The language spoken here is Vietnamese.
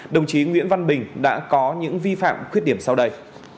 đồng chí nguyễn văn bình đã có những vi phạm khuyết điểm sau đây